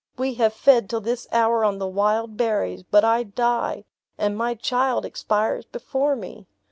We have fed till this hour on the wild berries; but I die, and my child expires before me!"